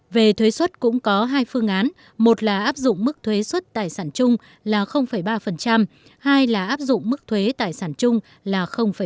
về thuế xuất cũng có hai phương án một là áp dụng mức thuế xuất tài sản chung là ba hai là áp dụng mức thuế tài sản chung là ba mươi